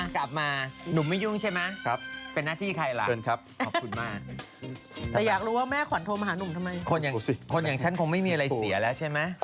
กลับมาหนุ่มไม่ยุ่งใช่ไหมเป็นหน้าที่ใครล่ะเชิญครับขอบคุณมากแต่อยากรู้ว่าแม่ขวัญโทรมาหาหนุ่มทำไมคนอย่างฉันคงไม่มีอะไรเสียแล้วใช่ไหม